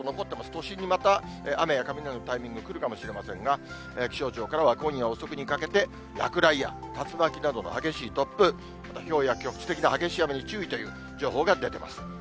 都心にまた雨や雷のタイミングが来るかもしれませんが、気象庁からは今夜遅くにかけて、落雷や竜巻などの激しい突風、またひょうや局地的な雨に注意という情報が出てます。